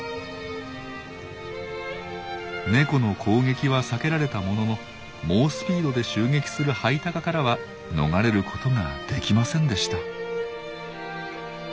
ネコの攻撃は避けられたものの猛スピードで襲撃するハイタカからは逃れることができませんでした。